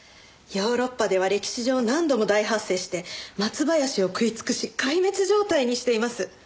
ヨーロッパでは歴史上何度も大発生して松林を食い尽くし壊滅状態にしています。